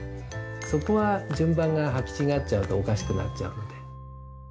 そこは順番が履き違っちゃうとおかしくなっちゃうんで。